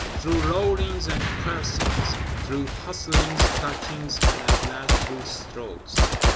Through roarings and cursings; through hustlings, clutchings, and at last through strokes!